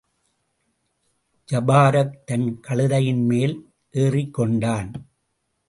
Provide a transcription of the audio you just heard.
ஜபாரக், தன் கழுதையின்மேல் ஏறிக்கொண்டான்.